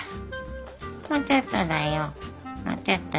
もうちょっとだよもうちょっとだよ。